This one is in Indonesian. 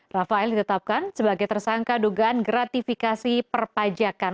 rafael ditetapkan sebagai tersangka dugaan gratifikasi perpajakan